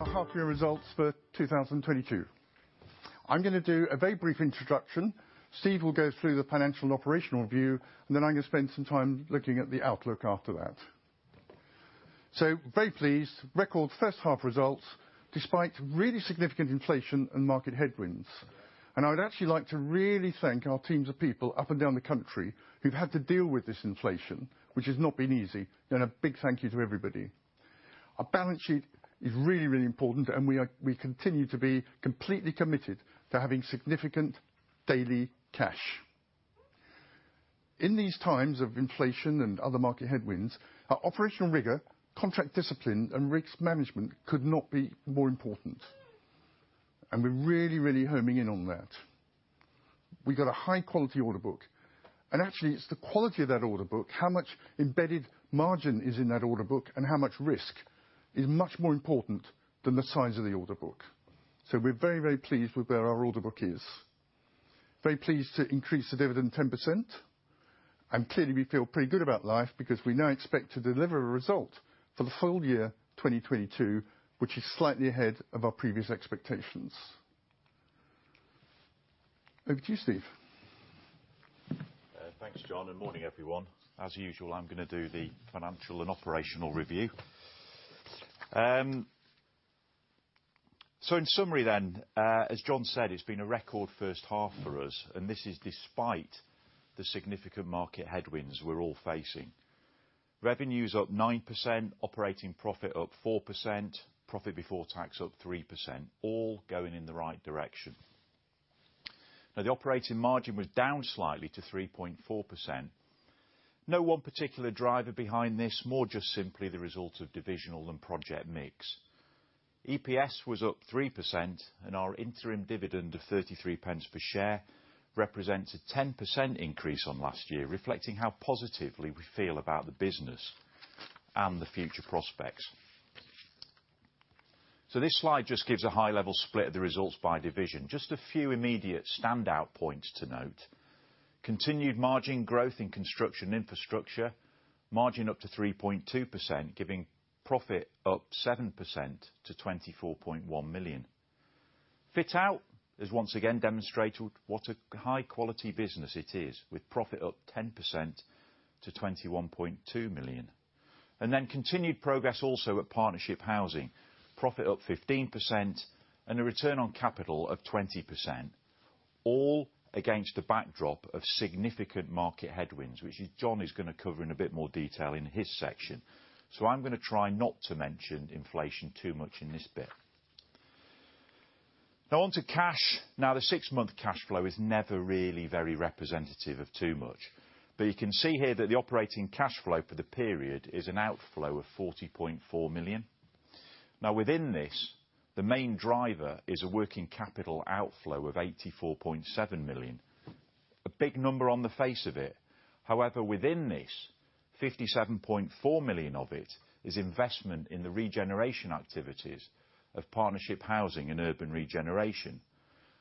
Our half year results for 2022. I'm gonna do a very brief introduction. Steve will go through the financial and operational review, and then I'm gonna spend some time looking at the outlook after that. Very pleased. Record first half results despite really significant inflation and market headwinds. I'd actually like to really thank our teams of people up and down the country who've had to deal with this inflation, which has not been easy, and a big thank you to everybody. Our balance sheet is really, really important, and we continue to be completely committed to having significant daily cash. In these times of inflation and other market headwinds, our operational rigor, contract discipline, and risk management could not be more important, and we're really, really homing in on that. We've got a high quality order book, and actually it's the quality of that order book, how much embedded margin is in that order book and how much risk is much more important than the size of the order book. We're very, very pleased with where our order book is. Very pleased to increase the dividend 10%. Clearly we feel pretty good about life because we now expect to deliver a result for the full year 2022, which is slightly ahead of our previous expectations. Over to you, Steve. Thanks, John, and morning, everyone. As usual, I'm gonna do the financial and operational review. In summary then, as John said, it's been a record first half for us, and this is despite the significant market headwinds we're all facing. Revenue's up 9%, operating profit up 4%, profit before tax up 3%, all going in the right direction. Now, the operating margin was down slightly to 3.4%. No one particular driver behind this. More just simply the result of divisional and project mix. EPS was up 3%, and our interim dividend of 0.33 per share represents a 10% increase on last year, reflecting how positively we feel about the business and the future prospects. This slide just gives a high-level split of the results by division. Just a few immediate standout points to note. Continued margin growth in Construction and Infrastructure. Margin up to 3.2%, giving profit up 7% to 24.1 million. Fit Out has once again demonstrated what a high quality business it is with profit up 10% to 21.2 million. Continued progress also at Partnership Housing. Profit up 15% and a return on capital of 20%, all against a backdrop of significant market headwinds, John is gonna cover in a bit more detail in his section. I'm gonna try not to mention inflation too much in this bit. Now on to cash. Now, the six-month cash flow is never really very representative of too much, but you can see here that the operating cash flow for the period is an outflow of 40.4 million. Now, within this, the main driver is a working capital outflow of 84.7 million. A big number on the face of it, however, within this, 57.4 million of it is investment in the regeneration activities of Partnership Housing and Urban Regeneration.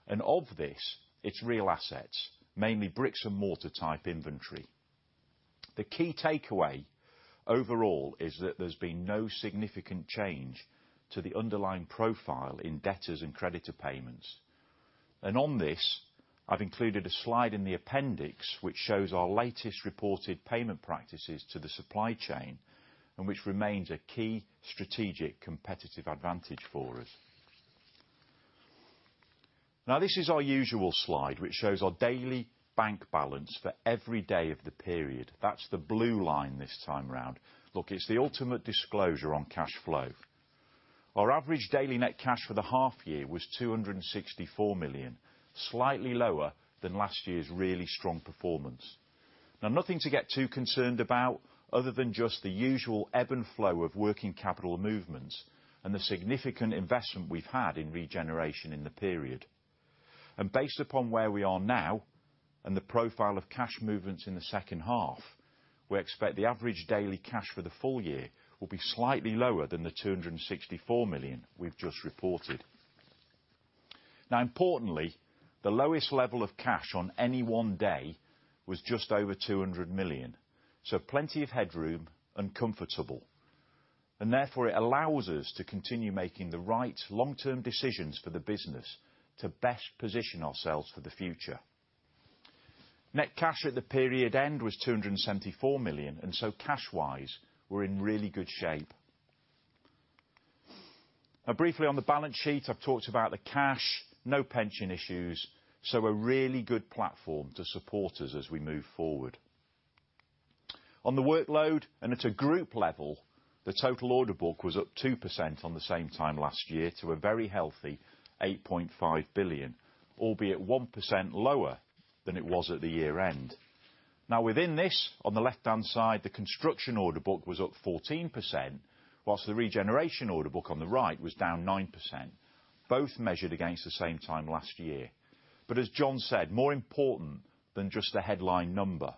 Of this, it's real assets, mainly bricks and mortar type inventory. The key takeaway overall is that there's been no significant change to the underlying profile in debtors and creditor payments. On this, I've included a slide in the appendix which shows our latest reported payment practices to the supply chain and which remains a key strategic competitive advantage for us. Now this is our usual slide, which shows our daily bank balance for every day of the period. That's the blue line this time around. Look, it's the ultimate disclosure on cash flow. Our average daily net cash for the half year was 264 million, slightly lower than last year's really strong performance. Now, nothing to get too concerned about other than just the usual ebb and flow of working capital movements and the significant investment we've had in regeneration in the period. Based upon where we are now and the profile of cash movements in the second half, we expect the average daily cash for the full year will be slightly lower than the 264 million we've just reported. Now importantly, the lowest level of cash on any one day was just over 200 million. Plenty of headroom and comfortable. Therefore it allows us to continue making the right long-term decisions for the business to best position ourselves for the future. Net cash at the period end was 274 million, so cash-wise, we're in really good shape. Now briefly on the balance sheet, I've talked about the cash. No pension issues, so a really good platform to support us as we move forward. On the workload and at a group level, the total order book was up 2% on the same time last year to a very healthy 8.5 billion, albeit 1% lower than it was at the year end. Now within this, on the left-hand side, the construction order book was up 14% whilst the regeneration order book on the right was down 9%, both measured against the same time last year. As John said, more important than just the headline number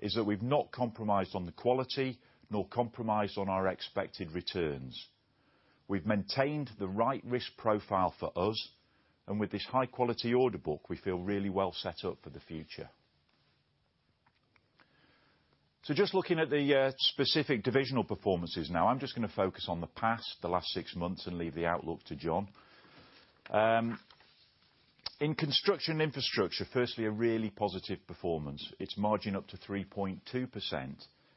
is that we've not compromised on the quality nor compromised on our expected returns. We've maintained the right risk profile for us, and with this high quality order book, we feel really well set up for the future. Just looking at the specific divisional performances now. I'm just gonna focus on the past, the last six months, and leave the outlook to John. In Construction Infrastructure, firstly a really positive performance. Its margin up to 3.2%,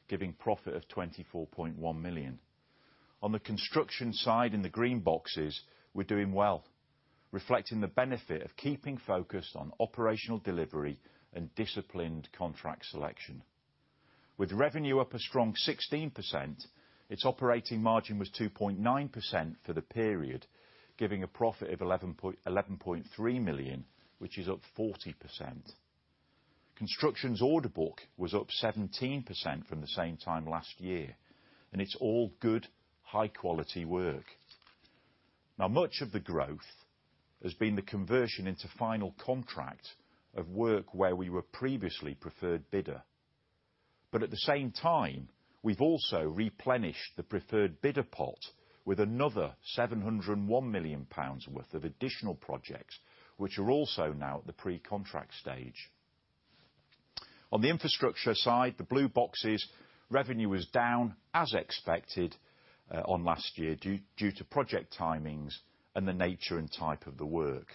giving profit of 24.1 million. On the Construction side in the green boxes, we're doing well, reflecting the benefit of keeping focused on operational delivery and disciplined contract selection. With revenue up a strong 16%, its operating margin was 2.9% for the period, giving a profit of eleven point three million, which is up 40%. Construction's order book was up 17% from the same time last year, and it's all good, high-quality work. Now much of the growth has been the conversion into final contract of work where we were previously preferred bidder. At the same time, we've also replenished the preferred bidder pot with another 701 million pounds worth of additional projects, which are also now at the pre-contract stage. On the infrastructure side, the blue boxes, revenue was down as expected on last year due to project timings and the nature and type of the work.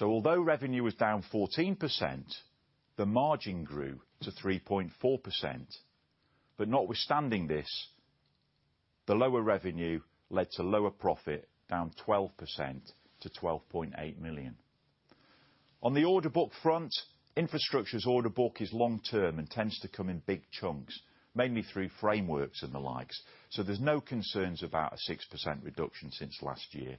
Although revenue was down 14%, the margin grew to 3.4%. Notwithstanding this, the lower revenue led to lower profit, down 12% to 12.8 million. On the order book front, infrastructure's order book is long term and tends to come in big chunks, mainly through frameworks and the likes, so there's no concerns about a 6% reduction since last year.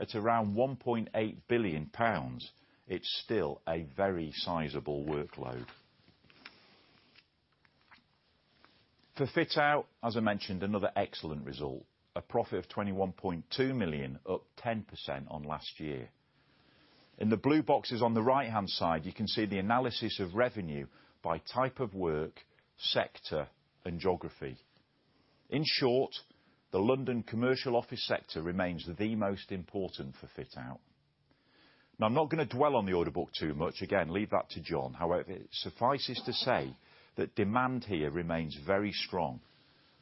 At around 1.8 billion pounds, it's still a very sizable workload. For Fit Out, as I mentioned, another excellent result, a profit of 21.2 million, up 10% on last year. In the blue boxes on the right-hand side, you can see the analysis of revenue by type of work, sector and geography. In short, the London commercial office sector remains the most important for Fit Out. Now I'm not gonna dwell on the order book too much. Again, leave that to John. However, it suffices to say that demand here remains very strong,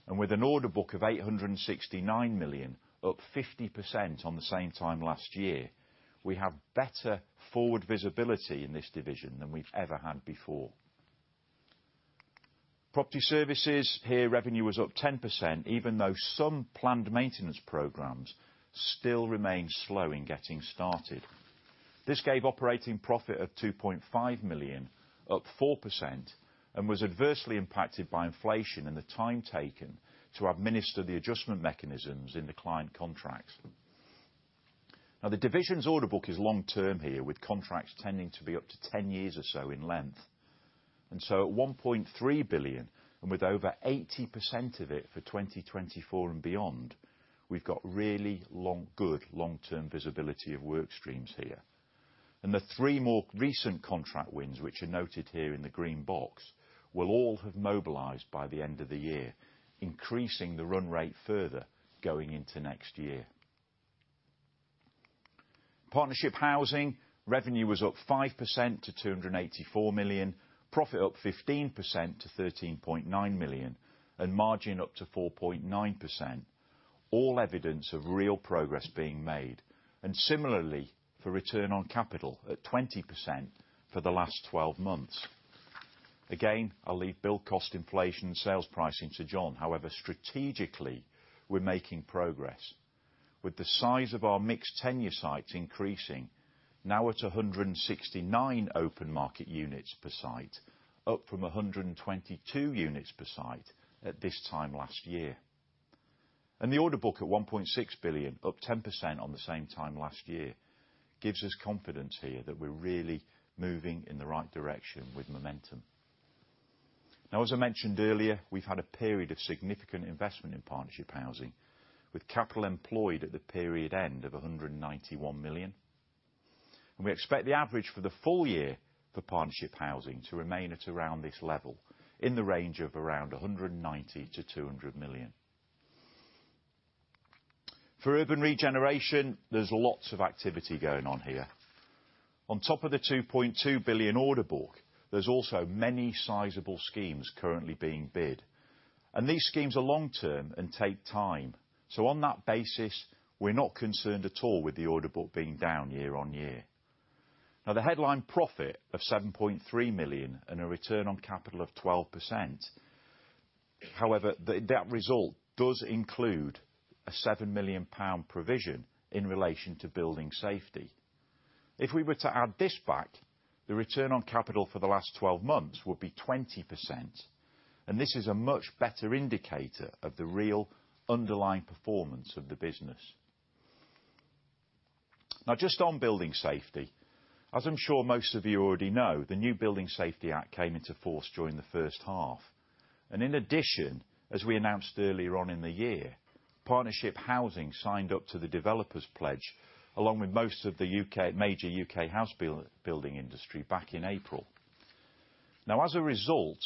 and with an order book of 869 million, up 50% on the same time last year, we have better forward visibility in this division than we've ever had before. Property Services, here revenue was up 10%, even though some planned maintenance programs still remain slow in getting started. This gave operating profit of 2.5 million, up 4%, and was adversely impacted by inflation and the time taken to administer the adjustment mechanisms in the client contracts. Now the division's order book is long-term here, with contracts tending to be up to 10 years or so in length. At 1.3 billion, and with over 80% of it for 2024 and beyond, we've got really long, good long-term visibility of work streams here. The three more recent contract wins, which are noted here in the green box, will all have mobilized by the end of the year, increasing the run rate further going into next year. Partnership Housing, revenue was up 5% to 284 million, profit up 15% to 13.9 million, and margin up to 4.9%, all evidence of real progress being made, and similarly for return on capital at 20% for the last twelve months. Again, I'll leave build cost inflation and sales pricing to John. However, strategically, we're making progress with the size of our mixed tenure sites increasing, now at 169 open market units per site, up from 122 units per site at this time last year. The order book at 1.6 billion, up 10% on the same time last year, gives us confidence here that we're really moving in the right direction with momentum. Now as I mentioned earlier, we've had a period of significant investment in Partnership Housing, with capital employed at the period end of 191 million. We expect the average for the full year for Partnership Housing to remain at around this level, in the range of around 190 million-200 million. For Urban Regeneration, there's lots of activity going on here. On top of the 2.2 billion order book, there's also many sizable schemes currently being bid. These schemes are long-term and take time. On that basis, we're not concerned at all with the order book being down year on year. Now the headline profit of 7.3 million and a return on capital of 12%. However, that result does include a 7 million pound provision in relation to Building Safety. If we were to add this back, the return on capital for the last 12 months would be 20%, and this is a much better indicator of the real underlying performance of the business. Now just on building safety, as I'm sure most of you already know, the new Building Safety Act came into force during the first half. In addition, as we announced earlier on in the year, Partnership Housing signed up to the Developer Pledge, along with most of the major UK building industry back in April. Now as a result,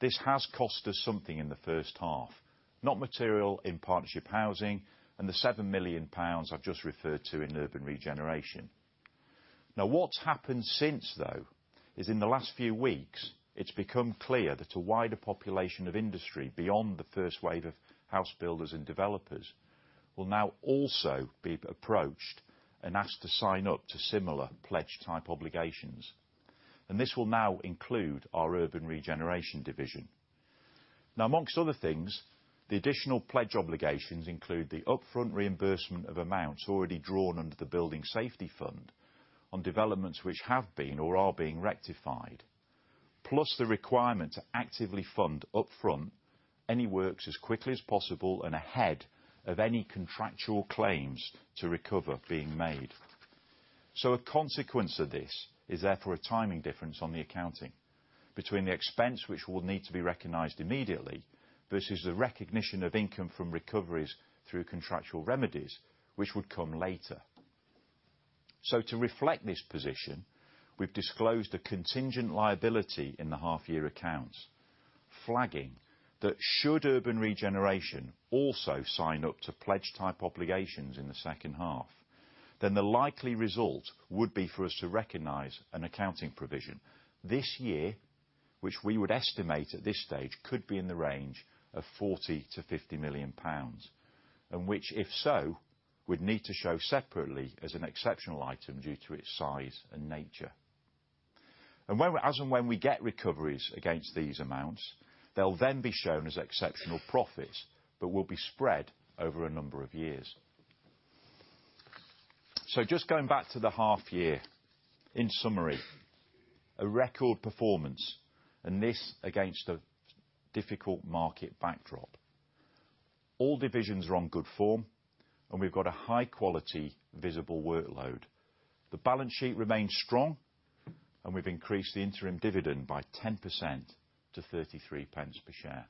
this has cost us something in the first half. Not material in Partnership Housing, and the 7 million pounds I've just referred to in Urban Regeneration. Now, what's happened since though, is in the last few weeks, it's become clear that a wider population of industry beyond the first wave of house builders and developers will now also be approached and asked to sign up to similar pledge-type obligations. This will now include our Urban Regeneration division. Now amongst other things, the additional pledge obligations include the upfront reimbursement of amounts already drawn under the Building Safety Fund on developments which have been or are being rectified. Plus the requirement to actively fund upfront any works as quickly as possible and ahead of any contractual claims to recover being made. A consequence of this is therefore a timing difference on the accounting between the expense which will need to be recognized immediately versus the recognition of income from recoveries through contractual remedies which would come later. To reflect this position, we've disclosed a contingent liability in the half year accounts, flagging that should Urban Regeneration also sign up to pledge type obligations in the second half, then the likely result would be for us to recognize an accounting provision this year, which we would estimate at this stage could be in the range of 40 million-50 million pounds. Which, if so, we'd need to show separately as an exceptional item due to its size and nature. As and when we get recoveries against these amounts, they'll then be shown as exceptional profits, but will be spread over a number of years. Just going back to the half year, in summary, a record performance, and this against a difficult market backdrop. All divisions are on good form, and we've got a high-quality, visible workload. The balance sheet remains strong, and we've increased the interim dividend by 10% to 0.33 per share.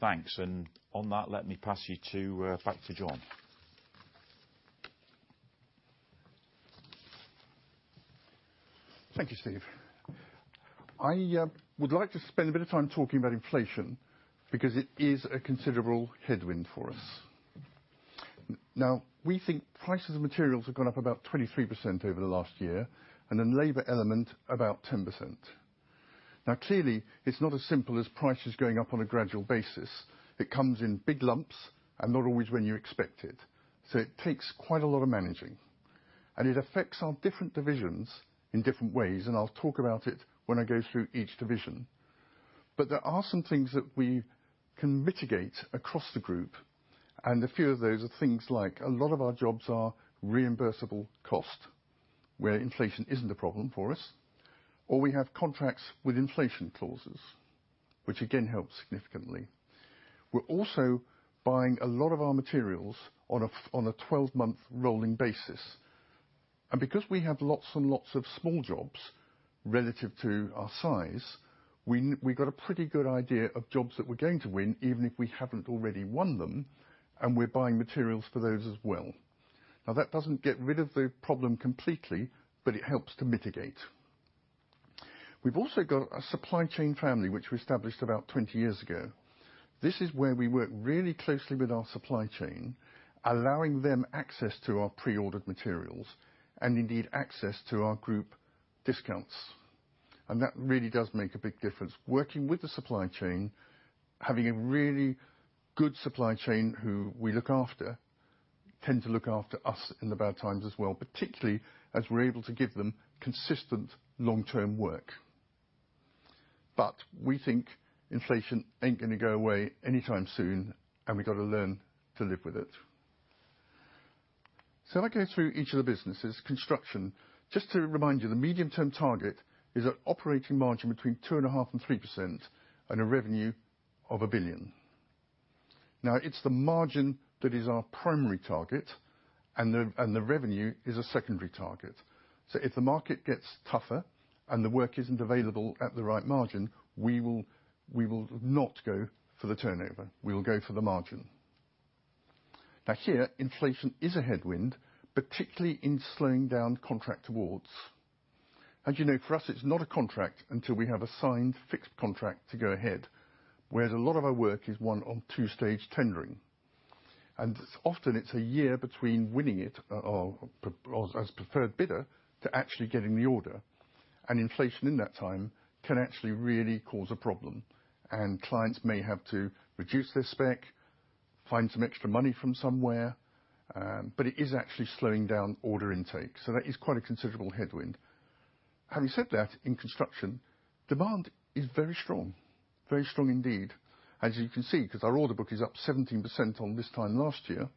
Thanks. On that, let me pass you back to John. Thank you, Steve. I would like to spend a bit of time talking about inflation because it is a considerable headwind for us. Now we think prices of materials have gone up about 23% over the last year, and the labor element about 10%. Now, clearly, it's not as simple as prices going up on a gradual basis. It comes in big lumps and not always when you expect it. It takes quite a lot of managing. It affects our different divisions in different ways, and I'll talk about it when I go through each division. There are some things that we can mitigate across the group, and a few of those are things like a lot of our jobs are reimbursable cost, where inflation isn't a problem for us, or we have contracts with inflation clauses, which again help significantly. We're also buying a lot of our materials on a 12-month rolling basis. Because we have lots and lots of small jobs relative to our size, we've got a pretty good idea of jobs that we're going to win, even if we haven't already won them, and we're buying materials for those as well. Now, that doesn't get rid of the problem completely, but it helps to mitigate. We've also got a Supply Chain Family, which we established about 20 years ago. This is where we work really closely with our supply chain, allowing them access to our pre-ordered materials and indeed access to our group discounts. That really does make a big difference. Working with the supply chain, having a really good supply chain who we look after, tend to look after us in the bad times as well, particularly as we're able to give them consistent long-term work. We think inflation ain't gonna go away anytime soon, and we gotta learn to live with it. I go through each of the businesses. Construction, just to remind you, the medium-term target is an operating margin between 2.5% and 3% and a revenue of 1 billion. Now, it's the margin that is our primary target and the revenue is a secondary target. If the market gets tougher and the work isn't available at the right margin, we will not go for the turnover, we will go for the margin. Now here, inflation is a headwind, particularly in slowing down contract awards. As you know, for us, it's not a contract until we have a signed fixed contract to go ahead, whereas a lot of our work is won on two-stage tendering. Often it's a year between winning it or as preferred bidder to actually getting the order. Inflation in that time can actually really cause a problem. Clients may have to reduce their spec, find some extra money from somewhere, but it is actually slowing down order intake. That is quite a considerable headwind. Having said that, in construction, demand is very strong, very strong indeed. As you can see, 'cause our order book is up 17% on this time last year,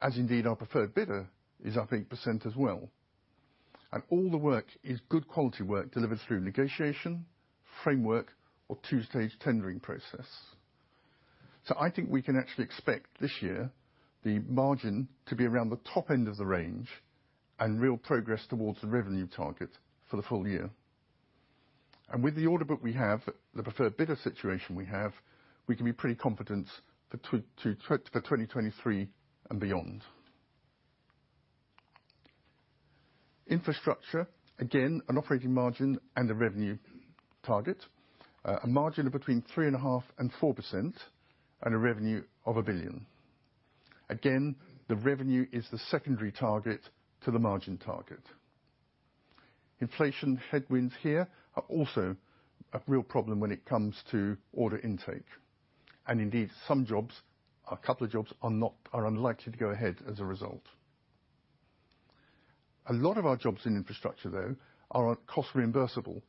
as indeed our preferred bidder is up 8% as well. All the work is good quality work delivered through negotiation, framework, or two-stage tendering process. I think we can actually expect this year, the margin to be around the top end of the range and real progress towards the revenue target for the full year. With the order book we have, the preferred bidder situation we have, we can be pretty confident for 2022, 2023, 2024 and beyond. Infrastructure, again, an operating margin and a revenue target, a margin of 3.5%-4%. Revenue of 1 billion. Again, the revenue is the secondary target to the margin target. Inflation headwinds here are also a real problem when it comes to order intake. Indeed, some jobs, a couple of jobs, are unlikely to go ahead as a result. A lot of our jobs in Infrastructure, though, are cost reimbursable.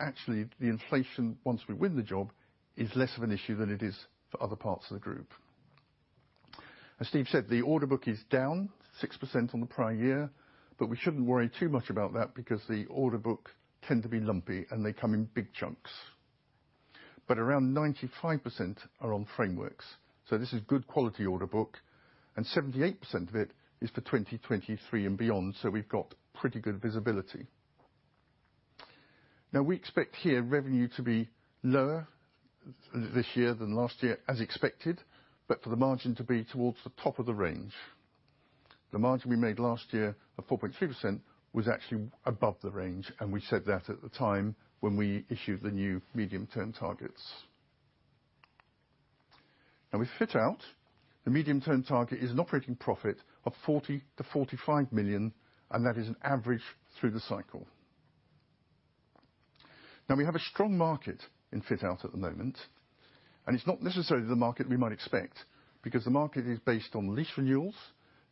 Actually, the inflation, once we win the job, is less of an issue than it is for other parts of the group. As Steve said, the order book is down 6% on the prior year, but we shouldn't worry too much about that because the order book tend to be lumpy, and they come in big chunks. Around 95% are on frameworks, so this is good quality order book, and 78% of it is for 2023 and beyond, so we've got pretty good visibility. Now we expect here revenue to be lower this year than last year as expected, but for the margin to be towards the top of the range. The margin we made last year of 4.3% was actually above the range, and we said that at the time when we issued the new medium-term targets. Now with Fit Out, the medium-term target is an operating profit of 40 million-45 million, and that is an average through the cycle. Now we have a strong market in Fit Out at the moment, and it's not necessarily the market we might expect because the market is based on lease renewals,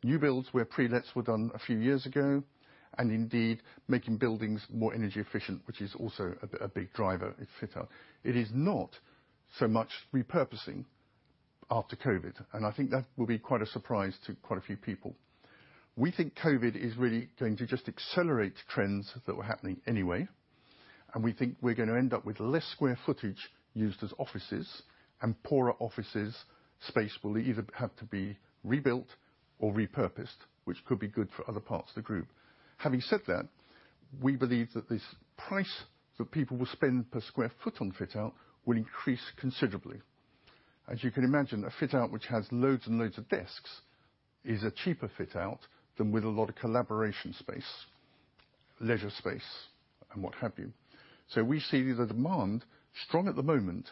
new builds where prelets were done a few years ago, and indeed making buildings more energy efficient, which is also a big driver in Fit Out. It is not so much repurposing after COVID, and I think that will be quite a surprise to quite a few people. We think COVID is really going to just accelerate trends that were happening anyway, and we think we're gonna end up with less square footage used as offices and poorer offices. Space will either have to be rebuilt or repurposed, which could be good for other parts of the group. Having said that, we believe that this price that people will spend per square foot on Fit Out will increase considerably. As you can imagine, a fit out which has loads and loads of desks is a cheaper fit out than with a lot of collaboration space, leisure space, and what have you. We see the demand strong at the moment,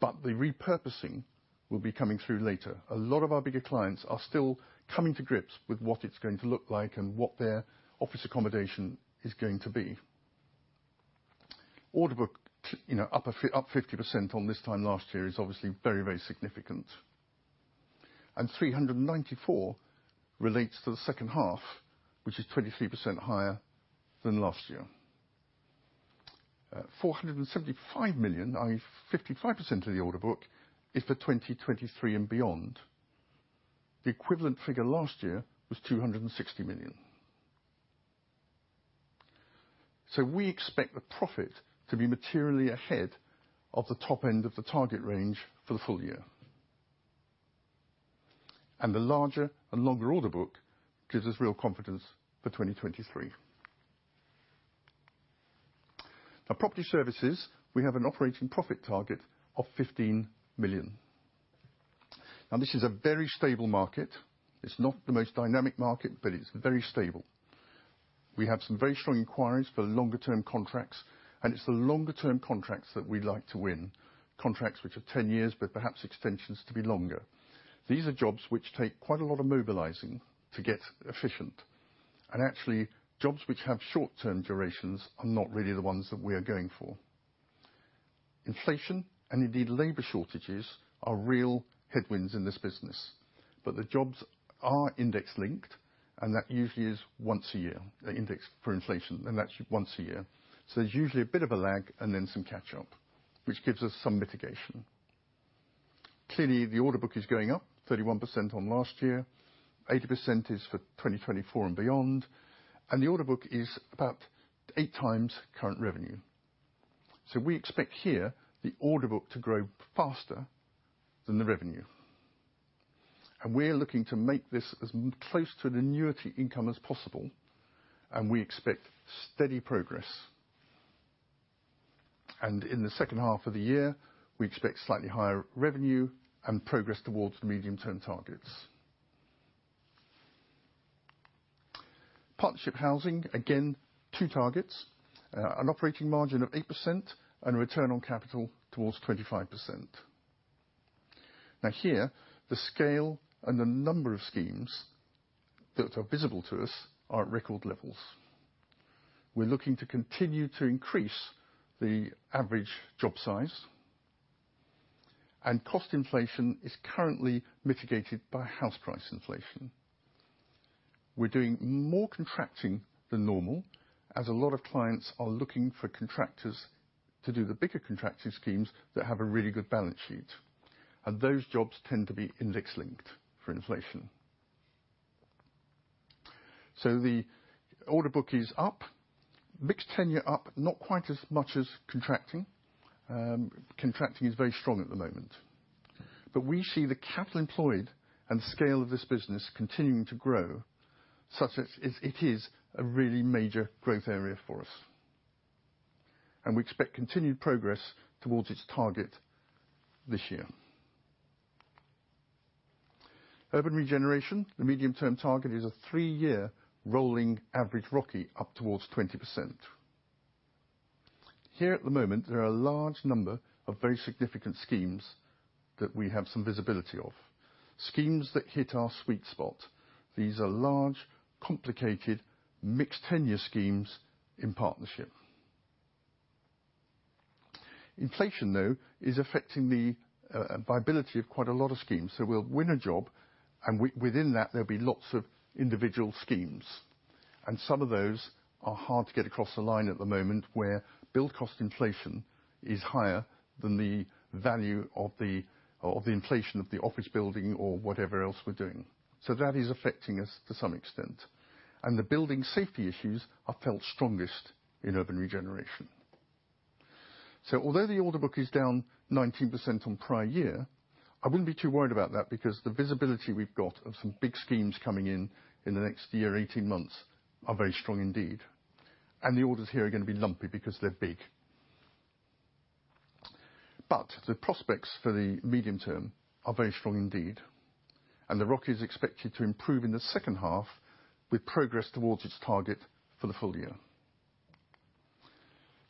but the repurposing will be coming through later. A lot of our bigger clients are still coming to grips with what it's going to look like and what their office accommodation is going to be. Order book, you know, up 50% on this time last year is obviously very, very significant. 394 million relates to the second half, which is 23% higher than last year. 475 million, i.e. 55% of the order book, is for 2023 and beyond. The equivalent figure last year was 260 million. We expect the profit to be materially ahead of the top end of the target range for the full year. The larger and longer order book gives us real confidence for 2023. Now Property Services, we have an operating profit target of 15 million. Now this is a very stable market. It's not the most dynamic market, but it's very stable. We have some very strong inquiries for longer term contracts, and it's the longer term contracts that we'd like to win. Contracts which are 10 years, but perhaps extensions to be longer. These are jobs which take quite a lot of mobilizing to get efficient. Actually, jobs which have short-term durations are not really the ones that we are going for. Inflation, and indeed labor shortages, are real headwinds in this business. The jobs are index-linked, and that usually is once a year, the index for inflation, and that's once a year. There's usually a bit of a lag and then some catch up, which gives us some mitigation. Clearly, the order book is going up 31% on last year. 80% is for 2024 and beyond. The order book is about 8x current revenue. We expect here the order book to grow faster than the revenue. We're looking to make this as close to an annuity income as possible, and we expect steady progress. In the second half of the year, we expect slightly higher revenue and progress towards the medium-term targets. Partnership Housing, again, two targets, an operating margin of 8% and a return on capital towards 25%. Now here, the scale and the number of schemes that are visible to us are at record levels. We're looking to continue to increase the average job size. Cost inflation is currently mitigated by house price inflation. We're doing more contracting than normal, as a lot of clients are looking for contractors to do the bigger contracting schemes that have a really good balance sheet, and those jobs tend to be index-linked for inflation. The order book is up. Mixed tenure up, not quite as much as contracting. Contracting is very strong at the moment. We see the capital employed and scale of this business continuing to grow, such as it is, it is a really major growth area for us. We expect continued progress towards its target this year. Urban Regeneration, the medium-term target is a three-year rolling average ROCE up towards 20%. Here at the moment, there are a large number of very significant schemes that we have some visibility of. Schemes that hit our sweet spot. These are large, complicated, mixed-tenure schemes in partnership. Inflation, though, is affecting the viability of quite a lot of schemes. We'll win a job, and within that, there'll be lots of individual schemes. Some of those are hard to get across the line at the moment, where build cost inflation is higher than the value of the inflation of the office building or whatever else we're doing. That is affecting us to some extent. The building safety issues are felt strongest in Urban Regeneration. Although the order book is down 19% on prior year, I wouldn't be too worried about that because the visibility we've got of some big schemes coming in the next year, 18 months are very strong indeed. The orders here are gonna be lumpy because they're big. The prospects for the medium term are very strong indeed. The ROCE is expected to improve in the second half with progress towards its target for the full year.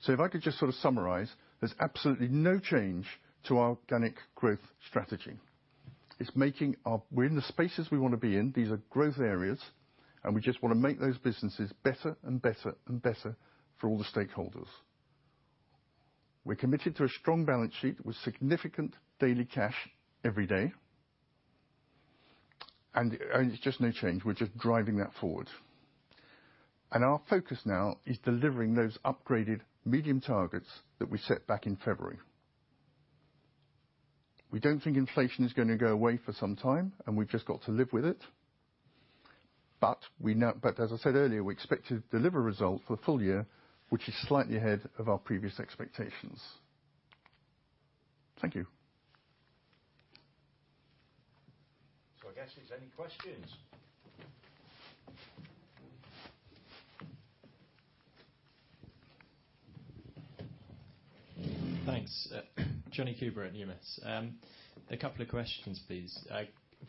If I could just sort of summarize, there's absolutely no change to our organic growth strategy. We're in the spaces we wanna be in. These are growth areas, and we just wanna make those businesses better and better and better for all the stakeholders. We're committed to a strong balance sheet with significant daily cash every day. It's just no change. We're just driving that forward. Our focus now is delivering those upgraded medium targets that we set back in February. We don't think inflation is gonna go away for some time, and we've just got to live with it. As I said earlier, we expect to deliver result for full year, which is slightly ahead of our previous expectations. Thank you. I guess, is there any questions? Thanks. Joe Brent at Numis. A couple of questions, please.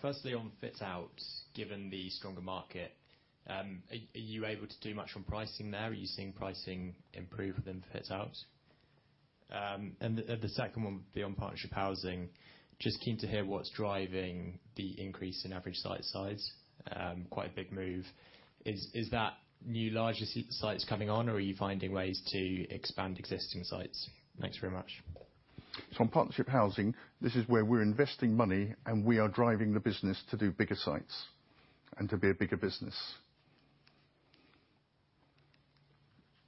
Firstly, on Fit Out, given the stronger market, are you able to do much on pricing there? Are you seeing pricing improve within Fit Out? The second one, beyond Partnership Housing, just keen to hear what's driving the increase in average site size. Quite a big move. Is that new larger sites coming on or are you finding ways to expand existing sites? Thanks very much. On Partnership Housing, this is where we're investing money, and we are driving the business to do bigger sites and to be a bigger business.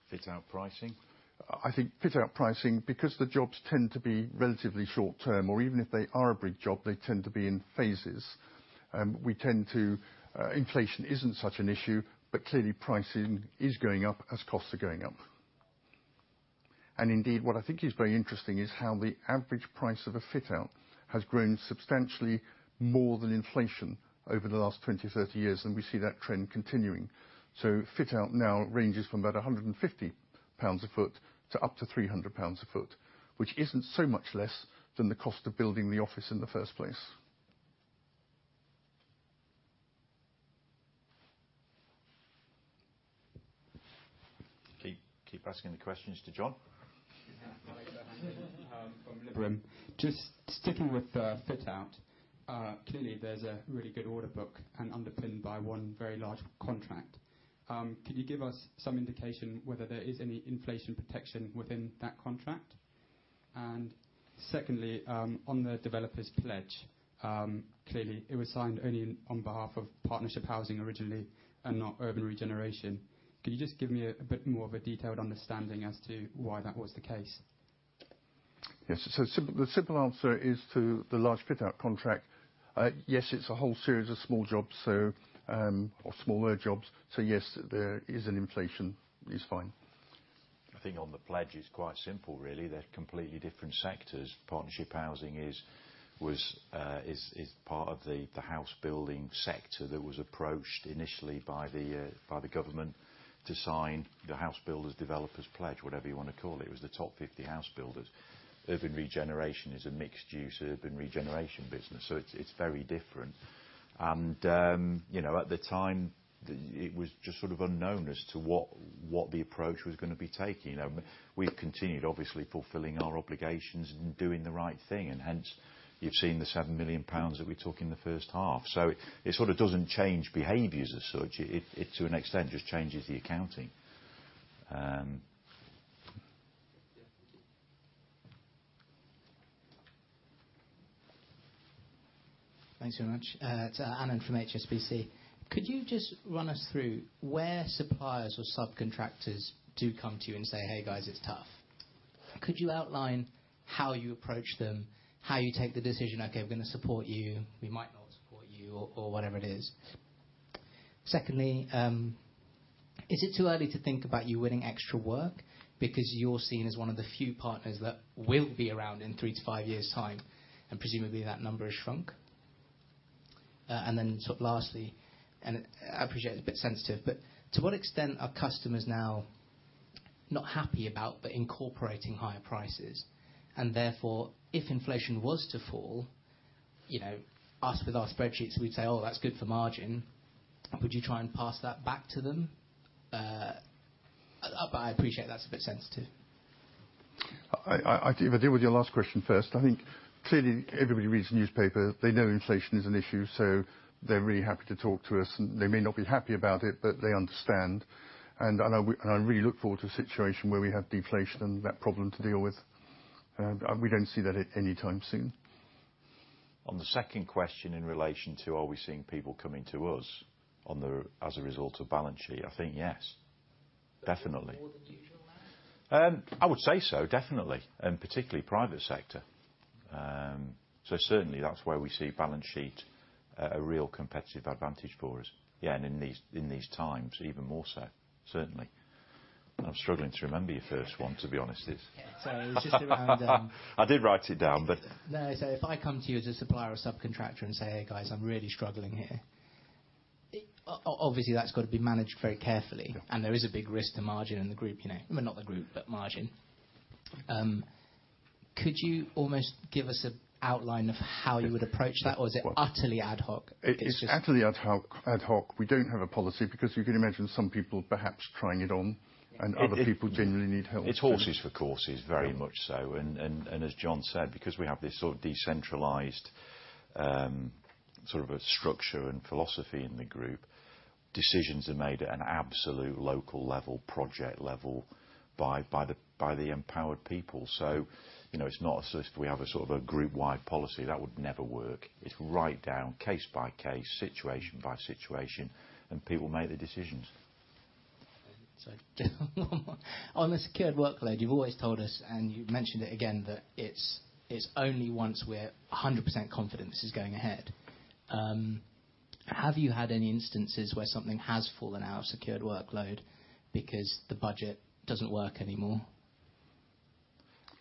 Fit Out pricing. I think Fit Out pricing, because the jobs tend to be relatively short-term, or even if they are a big job, they tend to be in phases. Inflation isn't such an issue, but clearly pricing is going up as costs are going up. Indeed, what I think is very interesting is how the average price of a Fit Out has grown substantially more than inflation over the last 20, 30 years, and we see that trend continuing. Fit Out now ranges from about 150 pounds a foot to up to 300 pounds a foot, which isn't so much less than the cost of building the office in the first place. Keep asking the questions to John. Hi, from Liberum. Just sticking with the Fit Out, clearly there's a really good order book and underpinned by one very large contract. Can you give us some indication whether there is any inflation protection within that contract? Secondly, on the Developer Pledge, clearly it was signed only on behalf of Partnership Housing originally and not Urban Regeneration. Can you just give me a bit more of a detailed understanding as to why that was the case? Yes. Simple, the simple answer is to the large Fit Out contract, yes, it's a whole series of small jobs, so, or smaller jobs. Yes, there is an inflation. It's fine. I think on the pledge, it's quite simple, really. They're completely different sectors. Partnership Housing is part of the house building sector that was approached initially by the government to sign the Developer Pledge, whatever you wanna call it. It was the top 50 house builders. Urban Regeneration is a mixed-use urban regeneration business, so it's very different. You know, at the time, it was just sort of unknown as to what the approach was gonna be taking. We've continued, obviously, fulfilling our obligations and doing the right thing, and hence you've seen the 7 million pounds that we took in the first half. It sort of doesn't change behaviors as such. It, to an extent, just changes the accounting. Thanks very much. It's Anand Bahl from HSBC. Could you just run us through where suppliers or subcontractors do come to you and say, "Hey guys, it's tough." Could you outline how you approach them? How you take the decision, "Okay, we're gonna support you. We might not support you," or whatever it is. Secondly, is it too early to think about you winning extra work because you're seen as one of the few partners that will be around in three to five years' time, and presumably that number has shrunk? Then lastly, I appreciate it's a bit sensitive, but to what extent are customers now not happy about but incorporating higher prices. Therefore, if inflation was to fall, you know, us with our spreadsheets, we'd say, "Oh, that's good for margin." Would you try and pass that back to them? I appreciate that's a bit sensitive. I'll deal with your last question first. I think clearly everybody reads the newspaper. They know inflation is an issue, so they're really happy to talk to us. They may not be happy about it, but they understand. And I really look forward to a situation where we have deflation and that problem to deal with. We don't see that at any time soon. On the second question in relation to, are we seeing people coming to us as a result of balance sheet, I think yes. Definitely. More than usual now? I would say so, definitely, and particularly private sector. Certainly that's where we see balance sheet as a real competitive advantage for us. Yeah, in these times, even more so, certainly. I'm struggling to remember your first one, to be honest. Sorry. It's just around. I did write it down, but. No. If I come to you as a supplier or subcontractor and say, "Hey, guys, I'm really struggling here," obviously that's got to be managed very carefully. Yeah. There is a big risk to margin in the group, you know. I mean, not the group, but margin. Could you almost give us an outline of how you would approach that, or is it utterly ad hoc? It's utterly ad hoc. We don't have a policy because you can imagine some people perhaps trying it on, and other people genuinely need help. It's horses for courses, very much so. As John said, because we have this sort of decentralized, sort of a structure and philosophy in the group, decisions are made at an absolute local level, project level by the empowered people. You know, it's not as if we have a sort of a group-wide policy. That would never work. It's right down, case by case, situation by situation, and people make the decisions. Sorry. On the secured workload, you've always told us, and you've mentioned it again, that it's only once we're 100% confident this is going ahead. Have you had any instances where something has fallen out of secured workload because the budget doesn't work anymore?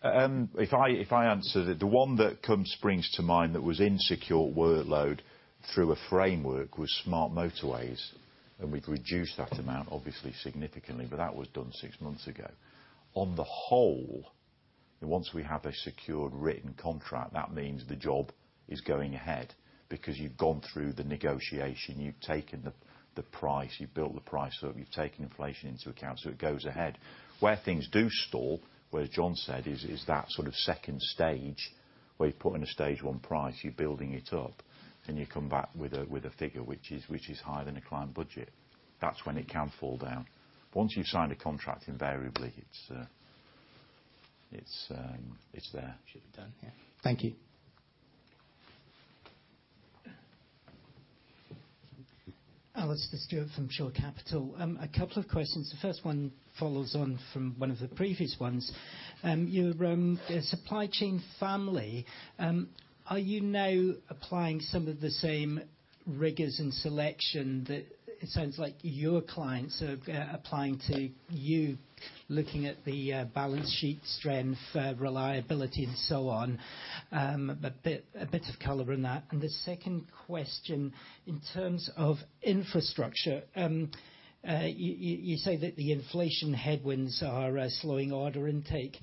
If I answer it, the one that springs to mind that was in insecure workload through a framework was smart motorways, and we'd reduced that amount obviously significantly, but that was done six months ago. On the whole, once we have a secured written contract, that means the job is going ahead because you've gone through the negotiation, you've taken the price, you've built the price up, you've taken inflation into account, so it goes ahead. Where things do stall, where John said, is that sort of second stage where you've put in a stage one price, you're building it up, and you come back with a figure which is higher than the client budget. That's when it can fall down. Once you've signed a contract, invariably, it's there. Should be done, yeah. Thank you. Alastair Stewart from Shore Capital. A couple of questions. The first one follows on from one of the previous ones. Your Supply Chain Family, are you now applying some of the same rigors and selection that it sounds like your clients are applying to you, looking at the balance sheet strength, reliability and so on? A bit of color on that. The second question, in terms of Infrastructure, you say that the inflation headwinds are slowing order intake.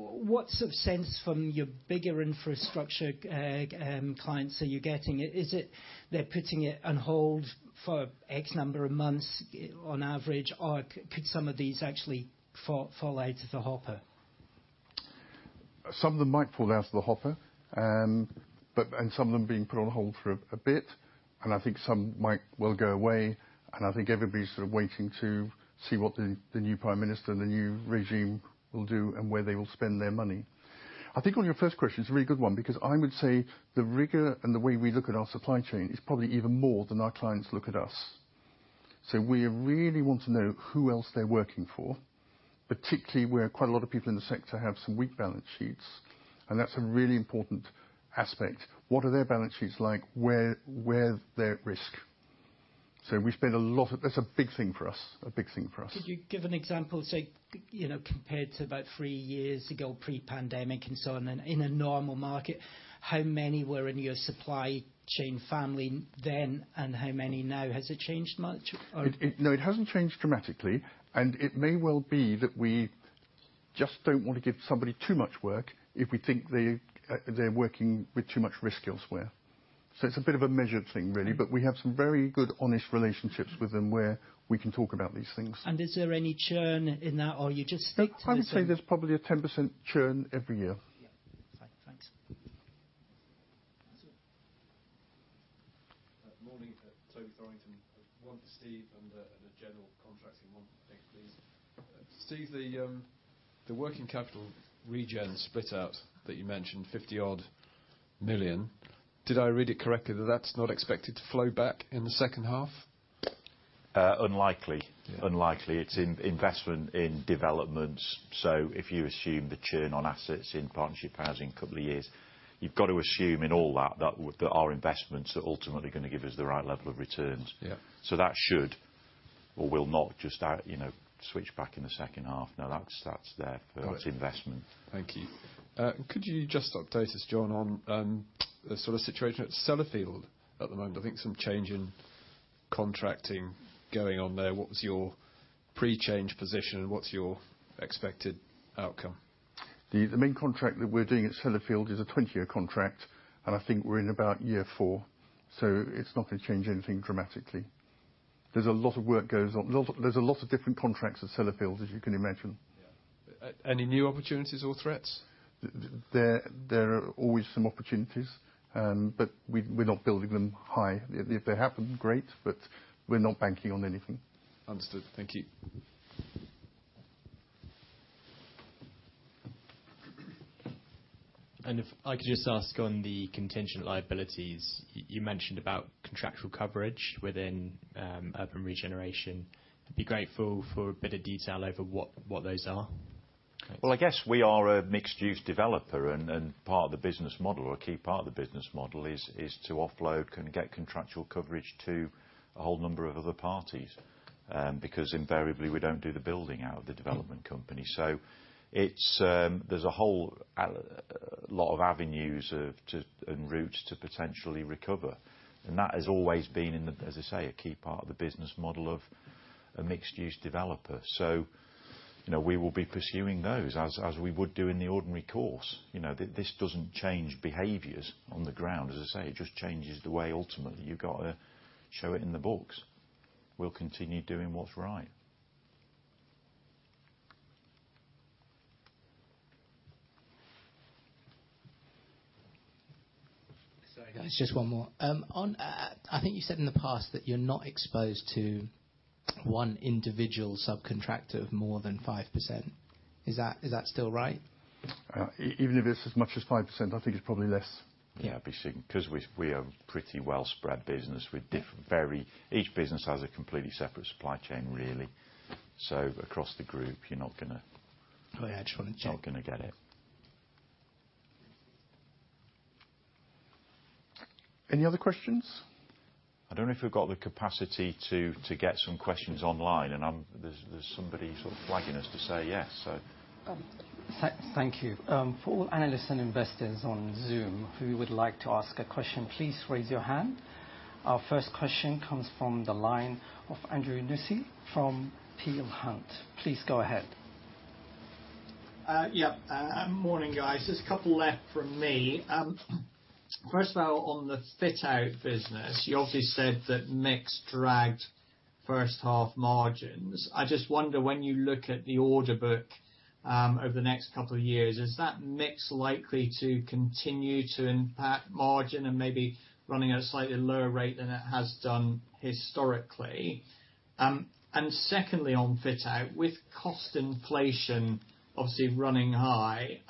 What sort of sense from your bigger Infrastructure clients are you getting? Is it they're putting it on hold for X number of months on average, or could some of these actually fall out of the hopper? Some of them might fall out of the hopper, and some of them are being put on hold for a bit, and I think some might well go away, and I think everybody's sort of waiting to see what the new prime minister and the new regime will do and where they will spend their money. I think on your first question, it's a really good one because I would say the rigor and the way we look at our supply chain is probably even more than our clients look at us. So we really want to know who else they're working for, particularly where quite a lot of people in the sector have some weak balance sheets, and that's a really important aspect. What are their balance sheets like? Where they're at risk? That's a big thing for us. Could you give an example, say, you know, compared to about three years ago, pre-pandemic and so on and in a normal market, how many were in your Supply Chain Family then and how many now? Has it changed much? No, it hasn't changed dramatically, and it may well be that we just don't want to give somebody too much work if we think they're working with too much risk elsewhere. It's a bit of a measured thing, really. We have some very good, honest relationships with them where we can talk about these things. Is there any churn in that or you just stick to the same? I'd say there's probably a 10% churn every year. Yeah. Fine. Thanks. Yeah. Morning. Toby Thorrington. One for Steve and a general contracting one, Nick, please. Steve, the working capital regen split out that you mentioned, 50-odd million, did I read it correctly that that's not expected to flow back in the second half? Unlikely. Yeah. Unlikely. It's investment in developments. If you assume the churn on assets in Partnership Housing a couple of years, you've got to assume in all that with our investments are ultimately gonna give us the right level of returns. Yeah. That should or will not just out, you know, switch back in the second half. No, that's there for. Got it. its investment. Thank you. Could you just update us, John, on the sort of situation at Sellafield at the moment? I think some change in contracting going on there, what was your pre-change position and what's your expected outcome? The main contract that we're doing at Sellafield is a 20-year contract, and I think we're in about year 4, so it's not gonna change anything dramatically. There's a lot of different contracts at Sellafield, as you can imagine. Yeah. Any new opportunities or threats? There are always some opportunities, but we're not building them high. If they happen, great, but we're not banking on anything. Understood. Thank you. If I could just ask on the contingent liabilities, you mentioned about contractual coverage within Urban Regeneration. I'd be grateful for a bit of detail over what those are. Thanks. Well, I guess we are a mixed-use developer and part of the business model or a key part of the business model is to offload contractual coverage to a whole number of other parties, because invariably we don't do the building out of the development company. Mm-hmm. It's. There's a whole lot of avenues open to, and routes to potentially recover. That has always been in the, as I say, a key part of the business model of a mixed-use developer. You know, we will be pursuing those as we would do in the ordinary course. You know, this doesn't change behaviors on the ground. As I say, it just changes the way ultimately you gotta show it in the books. We'll continue doing what's right. Sorry, guys. Just one more. I think you said in the past that you're not exposed to one individual subcontractor of more than 5%. Is that still right? Even if it's as much as 5%, I think it's probably less. Yeah. 'Cause we are pretty well spread business. Each business has a completely separate supply chain really. Across the group, you're not gonna- I just wanna check. You're not gonna get it. Any other questions? I don't know if we've got the capacity to get some questions online. There's somebody sort of flagging us to say yes, so. Thank you. For all analysts and investors on Zoom who would like to ask a question, please raise your hand. Our first question comes from the line of Andrew Nussey from Peel Hunt. Please go ahead. Yeah. Morning, guys. Just a couple left from me. First of all, on the Fit Out business, you obviously said that mix dragged first half margins. I just wonder, when you look at the order book, over the next couple of years, is that mix likely to continue to impact margin and maybe running at a slightly lower rate than it has done historically? And secondly, on Fit Out, with cost inflation obviously running high,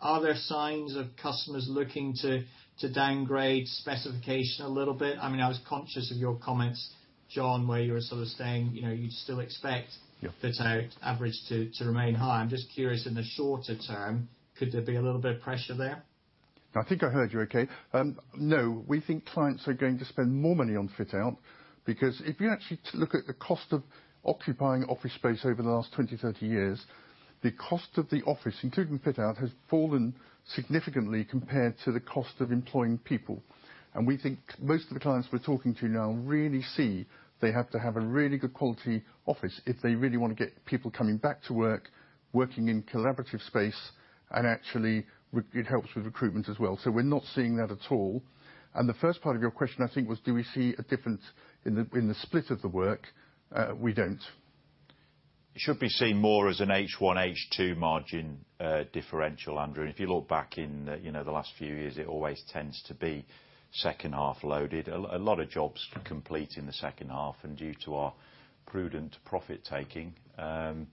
are there signs of customers looking to downgrade specification a little bit? I mean, I was conscious of your comments, John, where you were sort of saying, you know, you'd still expect. Yeah. Fit Out averages to remain high. I'm just curious in the shorter term, could there be a little bit of pressure there? I think I heard you okay. No, we think clients are going to spend more money on Fit Out, because if you actually look at the cost of occupying office space over the last 20-30 years, the cost of the office, including Fit Out, has fallen significantly compared to the cost of employing people. We think most of the clients we're talking to now really see they have to have a really good quality office if they really wanna get people coming back to work, working in collaborative space, and actually it helps with recruitment as well. We're not seeing that at all. The first part of your question, I think, was do we see a difference in the split of the work? We don't. It should be seen more as an H1, H2 margin differential, Andrew. If you look back in, you know, the last few years, it always tends to be second half loaded. A lot of jobs complete in the second half and due to our prudent profit taking. You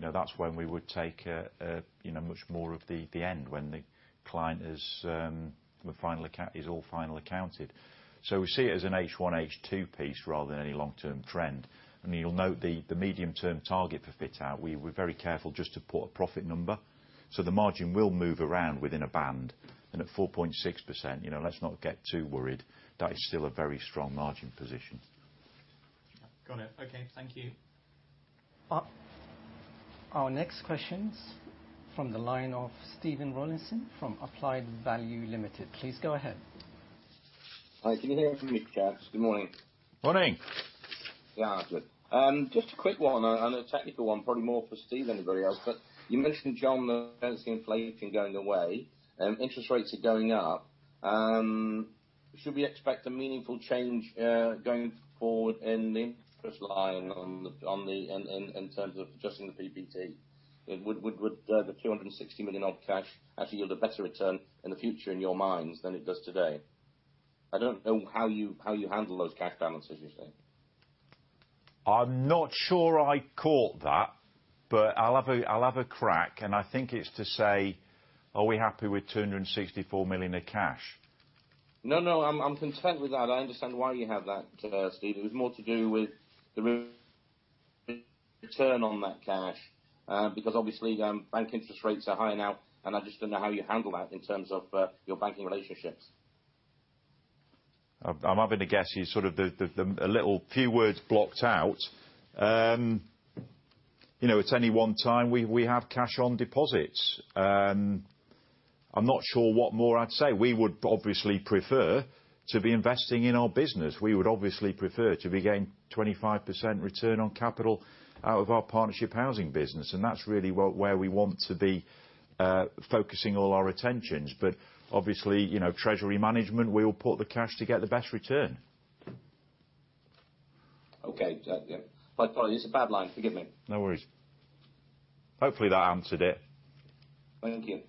know, that's when we would take a much more of the end when the client is final account is all final accounted. We see it as an H1, H2 piece rather than any long-term trend. You'll note the medium-term target for Fit Out, we're very careful just to put a profit number. The margin will move around within a band. At 4.6%, you know, let's not get too worried. That is still a very strong margin position. Got it. Okay. Thank you. Our next question's from the line of Stephen Rawlinson from Applied Value Limited. Please go ahead. Hi. Can you hear me, chaps? Good morning. Morning. Yeah. Good. Just a quick one and a technical one, probably more for Steve than anybody else. You mentioned, John, the cost inflation going away, interest rates are going up. Should we expect a meaningful change going forward in the interest line in terms of adjusting the PBT? Would the 260 million odd cash actually yield a better return in the future in your minds than it does today? I don't know how you handle those cash balances, you say. I'm not sure I caught that, but I'll have a crack and I think it's to say, are we happy with 264 million of cash? No, no. I'm content with that. I understand why you have that, Steve. It was more to do with the return on that cash, because obviously, bank interest rates are higher now and I just don't know how you handle that in terms of, your banking relationships. I'm having to guess here. A little few words blocked out. You know, it's only one time we have cash on deposits. I'm not sure what more I'd say. We would obviously prefer to be investing in our business. We would obviously prefer to be getting 25% return on capital out of our Partnership Housing business, and that's really where we want to be focusing all our attentions. Obviously, you know, treasury management, we'll put the cash to get the best return. Okay. Yeah. My apologies, a bad line. Forgive me. No worries. Hopefully, that answered it. Thank you.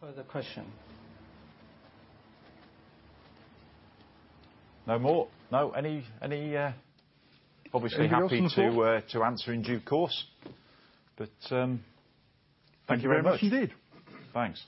Further question. No more? No. Any Anything you want to talk- Obviously happy to answer in due course. Thank you very much. Thanks very much indeed. Thanks.